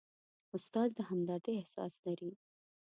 استاد د همدردۍ احساس لري.